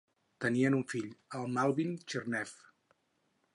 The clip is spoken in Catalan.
Tenien un fill, en Melvin Chernev.